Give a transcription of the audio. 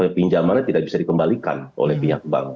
pinjamannya tidak bisa dikembalikan oleh pihak bank